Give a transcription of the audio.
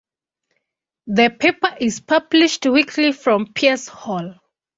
The paper is published weekly from Peirce Hall.